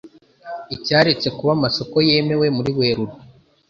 Icyaretse kuba Amasoko yemewe muri Werurwe